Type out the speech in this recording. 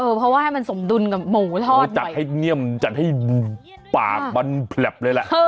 เพราะว่าให้มันสมดุลกับหมูทอดคือจัดให้เงี่ยมจัดให้ปากมันแผลบเลยแหละ